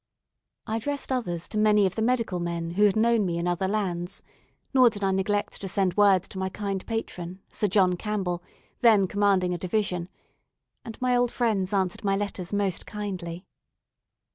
I addressed others to many of the medical men who had known me in other lands; nor did I neglect to send word to my kind patron, Sir John Campbell, then commanding a division: and my old friends answered my letters most kindly.